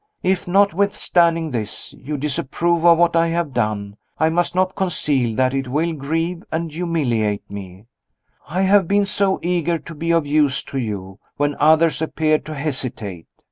If, notwithstanding this, you disapprove of what I have done, I must not conceal that it will grieve and humiliate me I have been so eager to be of use to you, when others appeared to hesitate.